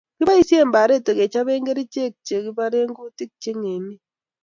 Kiboisie pareto kechobe kerichek chekibore kutik che ngemik